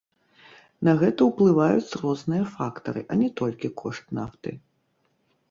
На гэта ўплываюць розныя фактары, а не толькі кошт нафты.